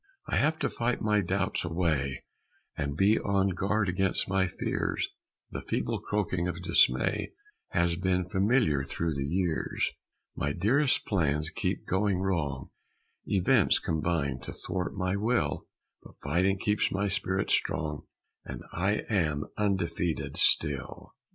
I have to fight my doubts away, And be on guard against my fears; The feeble croaking of Dismay Has been familiar through the years; My dearest plans keep going wrong, Events combine to thwart my will, But fighting keeps my spirit strong, And I am undefeated still!